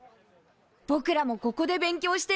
ぼくらもここで勉強してる。